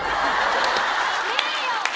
ねえよ！